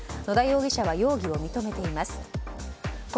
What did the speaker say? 野田容疑者は容疑を認めています。